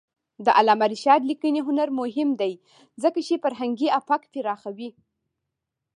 د علامه رشاد لیکنی هنر مهم دی ځکه چې فرهنګي افق پراخوي.